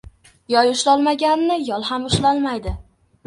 • Yoy ushlolmaganini yol ham ushlolmaydi.